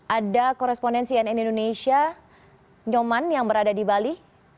ada korespondensi nn indonesia nyoman yang berada di bali